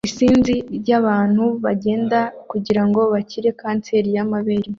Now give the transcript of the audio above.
Isinzi rinini ryabantu bagenda kugirango bakire kanseri yamabere